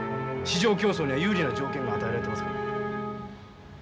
市場競争には有利な条件が与えられてますからね。